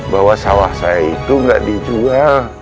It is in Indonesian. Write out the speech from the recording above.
bahwa sawah saya itu nggak dijual